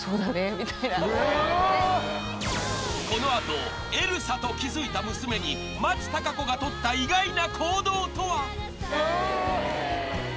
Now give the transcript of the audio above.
［この後エルサと気付いた娘に松たか子がとった意外な行動とは］